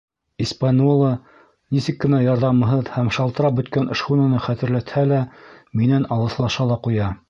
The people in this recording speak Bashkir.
«Испаньола», нисек кенә ярҙамһыҙ һәм шалтырап бөткән шхунаны хәтерләтһә лә, минән алыҫлаша ла ҡуя.